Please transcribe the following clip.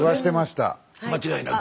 間違いなく。